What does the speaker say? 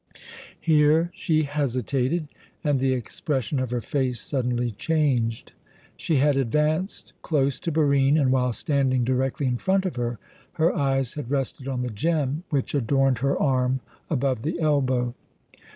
Here she hesitated, and the expression of her face suddenly changed. She had advanced close to Barine and, while standing directly in front of her, her eyes had rested on the gem which adorned her arm above the elbow.